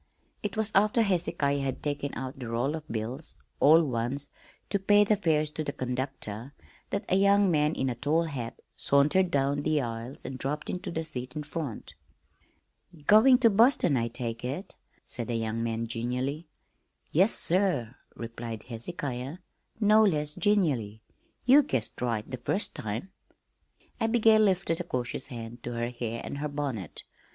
It was after Hezekiah had taken out the roll of bills all ones to pay the fares to the conductor that a young man in a tall hat sauntered down the aisle and dropped into the seat in front. "Going to Boston, I take it," said the young man genially. "Yes, sir," replied Hezehiah, no less genially. "Ye guessed right the first time." Abigail lifted a cautious hand to her hair and her bonnet.